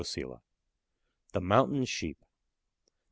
THE MOUNTAIN SHEEP.